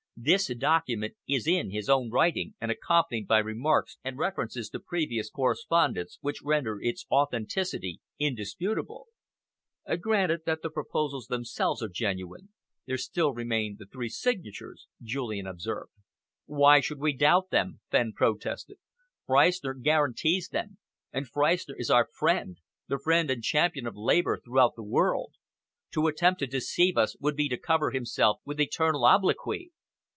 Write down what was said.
This document is in his own writing and accompanied by remarks and references to previous correspondence which render its authenticity indisputable." "Granted that the proposals themselves are genuine, there still remain the three signatures," Julian observed. "Why should we doubt them?" Fenn protested. "Freistner guarantees them, and Freistner is our friend, the friend and champion of Labour throughout the world. To attempt to deceive us would be to cover himself with eternal obloquy."